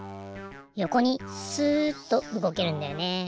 よこにすっとうごけるんだよね。